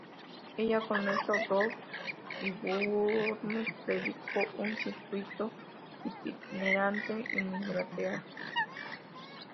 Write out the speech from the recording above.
Ella, con Lorenzo Dow y Bourne predicó un circuito itinerante en Inglaterra.